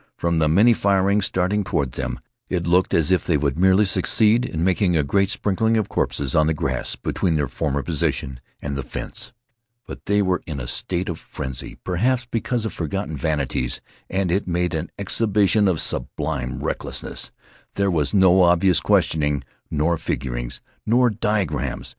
From the many firings starting toward them, it looked as if they would merely succeed in making a great sprinkling of corpses on the grass between their former position and the fence. But they were in a state of frenzy, perhaps because of forgotten vanities, and it made an exhibition of sublime recklessness. There was no obvious questioning, nor figurings, nor diagrams.